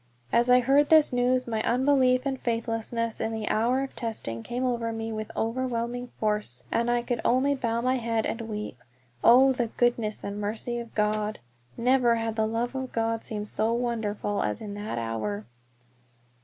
As I heard this news my unbelief and faithlessness in the hour of testing came over me with overwhelming force, and I could only bow my head and weep. Oh, the goodness and mercy of God! Never had the love of God seemed so wonderful as in that hour.